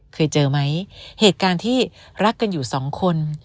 เคยเจอไหมเหตุการณ์ที่รักกันอยู่สองคน